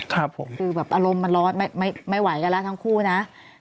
คือแบบอารมณ์มันร้อนไม่ไหวกันแล้วทั้งคู่นะ